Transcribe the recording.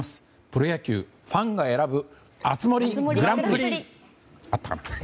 プロ野球ファンが選ぶ熱盛グランプリ。